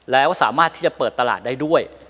แล้วสามารถที่จะเปิดตลาดได้ด้วย